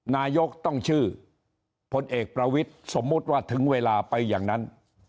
นายกต้องชื่อพลเอกประวิทย์สมมุติว่าถึงเวลาไปอย่างนั้น